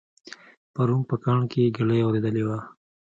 پرون په کاڼ کې ږلۍ اورېدلې وه